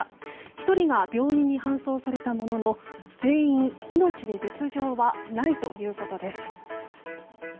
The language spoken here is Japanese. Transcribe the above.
１人が病院に搬送されたものの全員、命に別条はないということです。